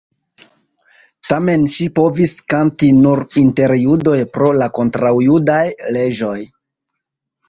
Tamen ŝi povis kanti nur inter judoj pro la kontraŭjudaj leĝoj.